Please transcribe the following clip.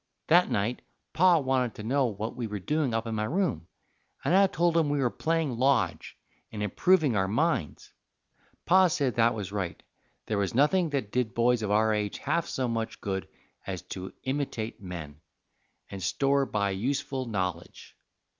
That night Pa wanted to know what we were doing up in my room, and I told him we were playing lodge, and improving our minds; and Pa said that was right, there was nothing that did boys of our age half so much good as to imitate men, and store by useful nollidge.